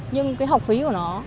nhưng học phí của nó